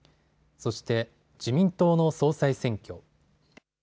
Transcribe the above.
そして、自民党の総裁選挙。